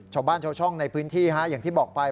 ชาวบ้านชาวช่องในพื้นที่อย่างที่บอกไป